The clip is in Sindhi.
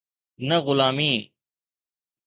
نه غلامي.